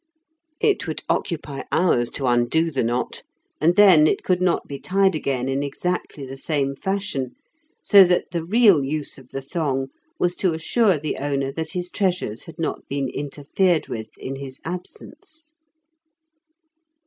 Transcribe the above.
It would occupy hours to undo the knot, and then it could not be tied again in exactly the same fashion, so that the real use of the thong was to assure the owner that his treasures had not been interfered with in his absence.